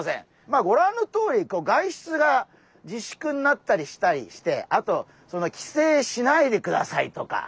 まあご覧のとおり外出がじしゅくになったりしたりしてあと帰省しないでくださいとか。